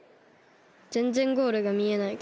ぜんぜんゴールがみえないけど。